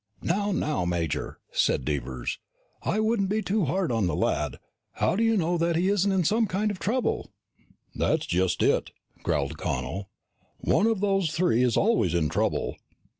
"Now, now, Major," said Devers. "I wouldn't be too hard on the lad. How do you know that he isn't in some kind of trouble?" "That's just it," growled Connel. "One of those three is always in trouble."